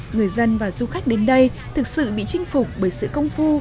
người dân và du khách đến đây thực sự bị chinh phục bởi sự công phu